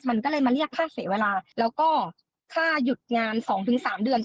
มันก็เลยมาเรียกค่าเสียเวลาแล้วก็ค่าหยุดงาน๒๓เดือน